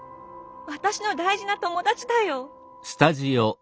私の大事な友達だよ。